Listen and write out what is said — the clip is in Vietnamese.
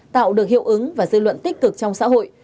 tạo được hiệu ứng và dư luận tích cực trong xã hội